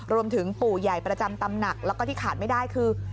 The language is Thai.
ปู่ใหญ่ประจำตำหนักแล้วก็ที่ขาดไม่ได้คือ